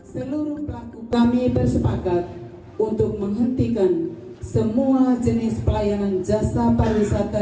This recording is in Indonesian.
seluruh pelaku kami bersepakat untuk menghentikan semua jenis pelayanan jasa pariwisata